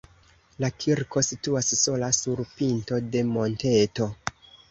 La kirko situas sola sur pinto de monteto.